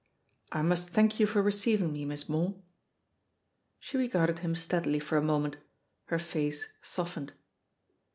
"I must thank you for receiving me. Miss Moore." She regarded him steadily for a moment; her face softened.